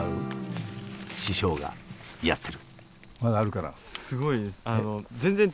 師匠がやってる。